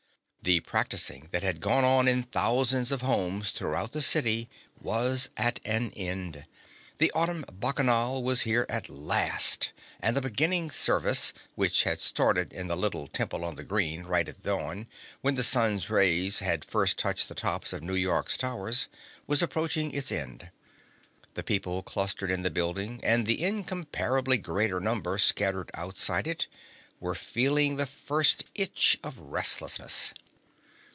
The practicing that had gone on in thousands of homes throughout the city was at an end. The Autumn Bacchanal was here at last, and the Beginning Service, which had started in the little Temple on the Green right at dawn, when the sun's rays had first touched the tops of New York's towers, was approaching its end. The people clustered in the building, and the incomparably greater number scattered outside it, were feeling the first itch of restlessness.